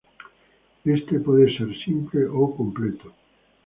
Este puede ser simple o completo.